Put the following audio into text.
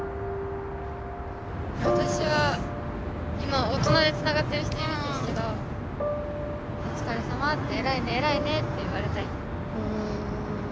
私は今大人でつながってる人いるんですけど「お疲れさま」って「偉いね偉いね」って言われたい。